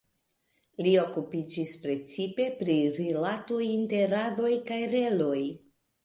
Li okupiĝis precipe pri rilatoj inter radoj kaj reloj.